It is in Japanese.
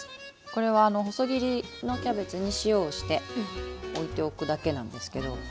これは細切りのキャベツに塩をしておいておくだけなんですけど。